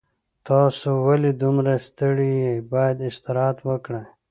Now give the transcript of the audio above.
تاسو ولې دومره ستړي یې باید استراحت وکړئ